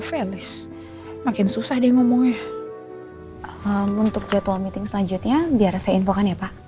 fans makin susah deh ngomongnya untuk jadwal meeting selanjutnya biar saya infokan ya pak